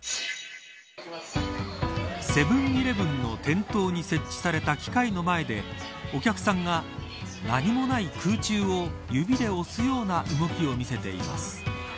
セブン‐イレブンの店頭に設置された機械の前でお客さんが何もない空中を、指で押すような動きを見せています。